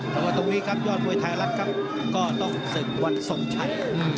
แต่ว่าตรงนี้ครับยอดมวยไทยรัฐครับก็ต้องศึกวันทรงชัย